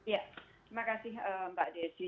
ya terima kasih mbak desi